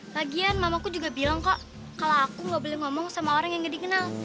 lagian mamaku juga bilang kok kalau aku nggak boleh ngomong sama orang yang gak dikenal